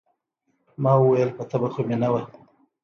ما وويل يه تبه خو مې نه وه.